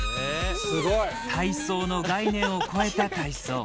体操の概念を超えた体操。